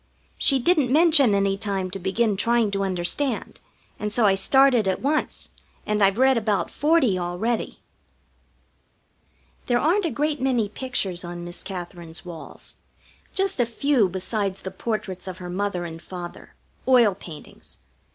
She didn't mention any time to begin trying to understand, and so I started at once, and I've read about forty already. There aren't a great many pictures on Miss Katherine's walls. Just a few besides the portraits of her father and mother, oil paintings.